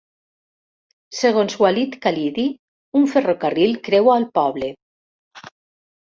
Segons Walid Khalidi, un ferrocarril creua el poble.